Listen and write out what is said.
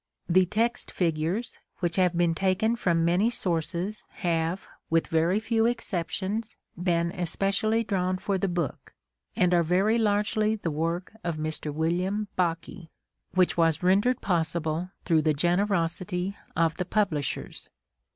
The text figures, which have been taken from many sources, have, with very few exceptions, been especially drawn for the book, and are very largely the work of Mr. William Baake, which was rendered possible through the generosity of the publishers.